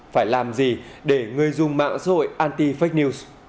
phải làm gì để người dùng mạng sội anti fake news